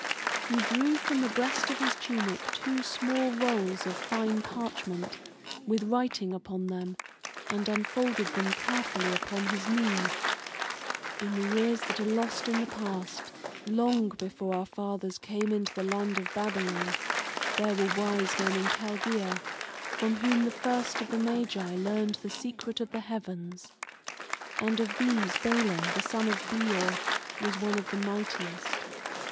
He drew from the breast of his tunic two small rolls of fine parchment, with writing upon them, and unfolded them carefully upon his knee. "In the years that are lost in the past, long before our fathers came into the land of Babylon, there were wise men in Chaldea, from whom the first of the Magi learned the secret of the heavens. And of these Balaam the son of Beor was one of the mightiest.